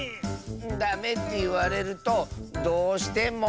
ダメっていわれるとどうしても。